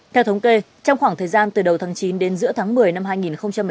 theo thống kê trong khoảng thời gian từ đầu tháng chín đến giữa tháng một mươi năm hai nghìn một mươi tám